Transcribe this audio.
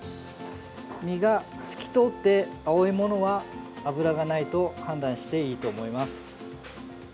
身が透き通って青いものは脂がないと判断していいと思います。